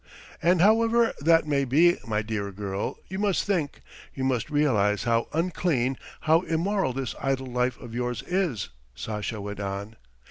"And however that may be, my dear girl, you must think, you must realize how unclean, how immoral this idle life of yours is," Sasha went on.